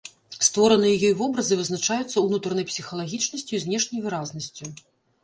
Створаныя ёй вобразы вызначаюцца ўнутранай псіхалагічнасцю і знешняй выразнасцю.